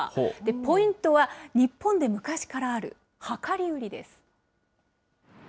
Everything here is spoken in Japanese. ポイントは、日本で昔からある量り売りです。